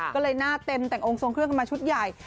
ก็เลยหน้าเต็มแต่งองค์ทรงเครื่องกันมาชุดใหญ่